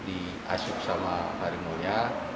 di asup sama harimau nya